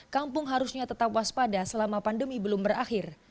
kampung harusnya tetap waspada selama pandemi belum berakhir